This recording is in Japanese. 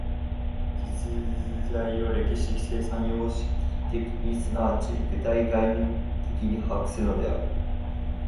実在を歴史的生産様式的に即ち具体概念的に把握するのである。